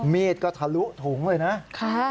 มีดก็ทะลุถุงเลยนะ